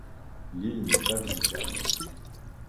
L'île n'est pas visitable.